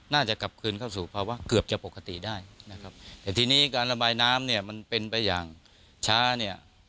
น่าจะกลับคืนเข้าสู่ภาวะเกือบจะปกติได้นะครับแต่ทีนี้การระบายน้ำเนี่ยมันเป็นไปอย่างช้าเนี่ย